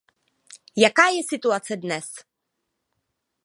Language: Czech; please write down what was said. Jaká je situace dnes?